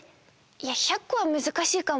いや１００こはむずかしいかも。